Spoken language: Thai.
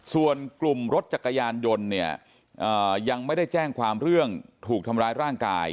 ส่วนกลุ่มรถจักรยานยนต์เนี่ยยังไม่ได้แจ้งความเรื่องถูกทำร้ายร่างกาย